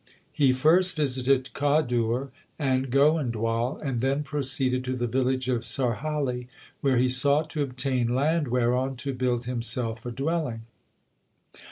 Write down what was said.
He first visited Khadur and Goindwal, and then proceeded to the village of Sarhali, where he sought to obtain land whereon to build himself a dwelling.